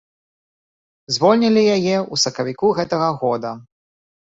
Звольнілі яе ў сакавіку гэтага года.